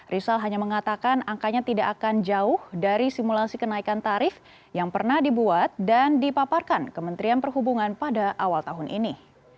rizal hanya mengatakan angkanya tidak akan jauh dari simulasi kenaikan tarif yang pernah dibuat dan dipaparkan kementerian perhubungan pada awal tahun ini